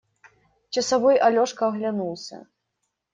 Часовой Алешка оглянулся.